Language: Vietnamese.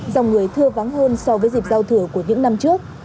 dòng người thưa vắng hơn so với dịp giao thừa của những năm trước